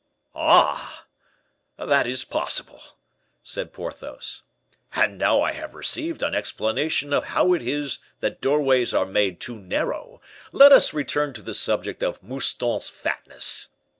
"Ah! that is possible," said Porthos. "And now I have received an explanation of how it is that doorways are made too narrow, let us return to the subject of Mouston's fatness.